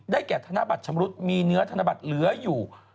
แก่ธนบัตรชำรุดมีเนื้อธนบัตรเหลืออยู่